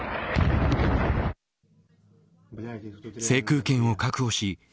制空権を確保し